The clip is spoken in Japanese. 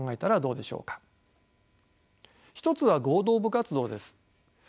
一つは合同部活動です。